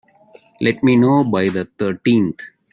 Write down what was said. Let me know by the thirteenth.